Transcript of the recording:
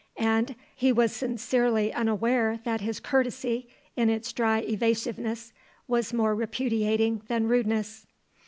And he was sincerely unaware that his courtesy, in its dry evasiveness, was more repudiating than rudeness.